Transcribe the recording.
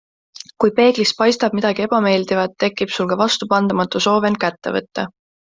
Kui peeglist paistab midagi ebameeldivat, tekib sul ka vastupandamatu soov end kätte võtta.